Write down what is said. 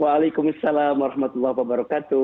waalaikumsalam warahmatullahi wabarakatuh